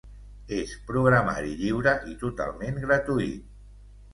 És programari lliure i totalment gratuït.